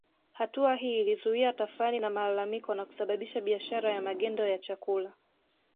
Hatua hii ilizua tafrani na malalamiko na kusababisha biashara ya magendo ya chakula